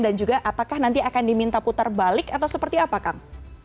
dan juga apakah nanti akan diminta putar balik atau seperti apa kang